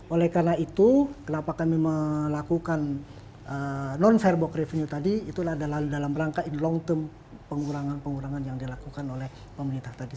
oleh karena itu kenapa kami melakukan non fairbox revenue tadi itu dalam rangka in long term pengurangan pengurangan yang dilakukan oleh pemerintah tadi